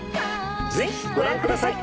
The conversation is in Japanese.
ぜひご覧ください。